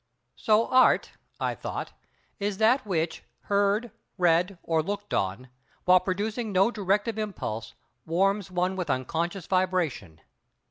So Art—I thought—is that which, heard, read, or looked on, while producing no directive impulse, warms one with unconscious vibration.